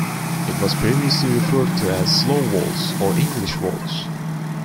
It was previously referred to as Slow Waltz or English Waltz.